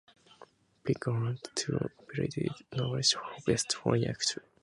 Peck garnered two competitive nominations for Best Foreign Actor.